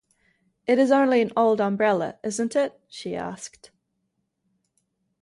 “It is only an old umbrella, isn’t it?” she asked.